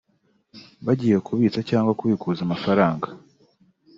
bagiye kubitsa cyangwa kubikuza amafaranga